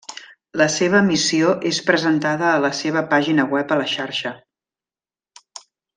La seva missió és presentada a la seva pàgina web a la xarxa.